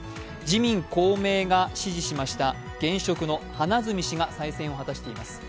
自民・公明が支持しました現職の花角氏が当選しています。